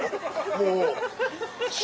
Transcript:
もう。